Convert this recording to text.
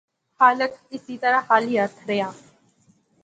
خالق اس طرح خالی ہتھ ریا